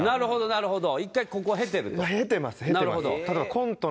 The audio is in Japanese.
なるほど。